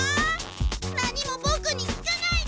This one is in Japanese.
何もボクに聞かないで！